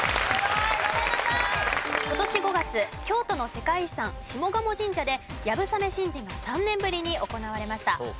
今年５月京都の世界遺産下鴨神社で流鏑馬神事が３年ぶりに行われました。